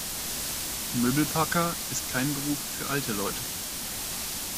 Möbelpacker ist kein Beruf für alte Leute.